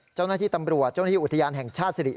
เจ้าหน้าที่ตำรวจเจ้าหน้าที่อุทยานแห่งชาติสิริ